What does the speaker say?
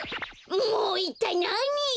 もういったいなに！？